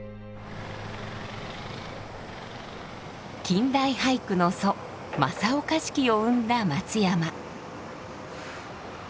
近代俳句の祖正岡子規を生んだ松山。